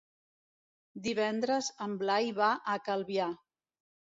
Divendres en Blai va a Calvià.